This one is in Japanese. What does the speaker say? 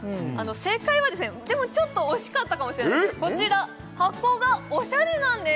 正解はですねでもちょっと惜しかったかもしれないこちら箱がオシャレなんです